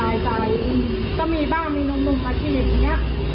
แล้วสบายใจก็มีบ้านมีหนุ่มมาทีอย่างเงี้ย